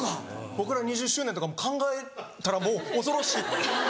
僕ら２０周年とか考えたらもう恐ろしい。